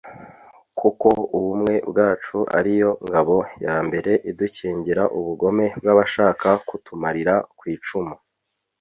kuko ubumwe bwacu ariyo ngabo ya mbere idukingira ubugome bw’abashaka kutumarira kw’icumu